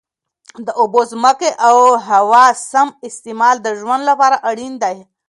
د اوبو، ځمکې او هوا سم استعمال د ژوند لپاره اړین دی.